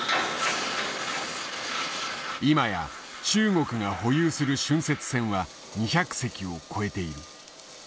今や中国が保有する浚渫船は２００隻を超えている。